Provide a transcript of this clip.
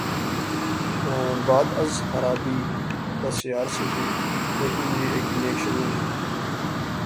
بعد از خرابیء بسیار سہی، لیکن یہ ایک نیک شگون ہے۔